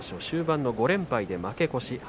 終盤の５連敗で負け越し。